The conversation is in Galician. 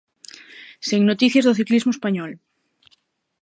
Sen noticias do ciclismo español.